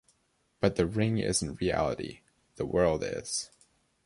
But the ring isn't reality: the world is.